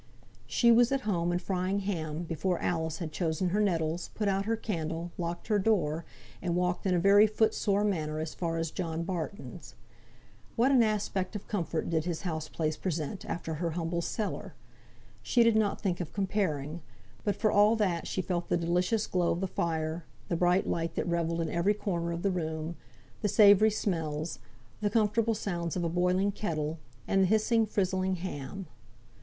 She was at home, and frying ham, before Alice had chosen her nettles, put out her candle, locked her door, and walked in a very foot sore manner as far as John Barton's. What an aspect of comfort did his houseplace present, after her humble cellar. She did not think of comparing; but for all that she felt the delicious glow of the fire, the bright light that revelled in every corner of the room, the savoury smells, the comfortable sounds of a boiling kettle, and the hissing, frizzling ham.